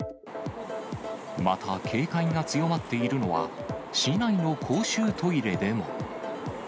また警戒が強まっているのは、市内の公衆トイレでも。